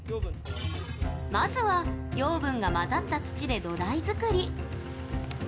まずは、養分が混ざった土で土台作り。